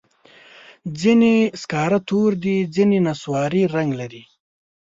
ځینې سکاره تور دي، ځینې نسواري رنګ لري.